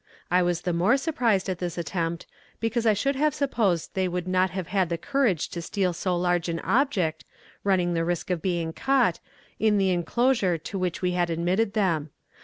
I was the more surprised at this attempt, because I should have supposed they would not have had the courage to steal so large an object, running the risk of being caught, in the enclosure to which we had admitted them.